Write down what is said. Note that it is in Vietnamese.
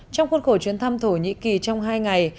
trong khuôn khổ chuyến thăm thổ nhĩ kỳ trong hai ngày